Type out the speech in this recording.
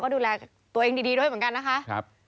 ดูแลตัวเองดีด้วยเหมือนกันนะคะ